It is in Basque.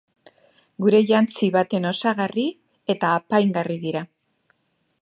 Gure jantzi baten osagarri eta apaingarri dira.